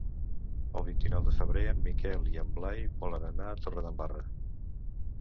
El vint-i-nou de febrer en Miquel i en Blai volen anar a Torredembarra.